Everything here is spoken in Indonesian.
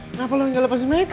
kenapa lo gak lepasin mereka